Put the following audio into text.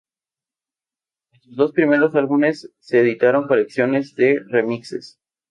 De sus dos primeros álbumes se editaron colecciones de remixes.